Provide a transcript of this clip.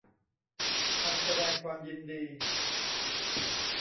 คำแสดงความยินดี